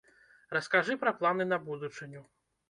Раскажы пра планы на будучыню.